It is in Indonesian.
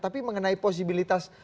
tapi mengenai posibilitas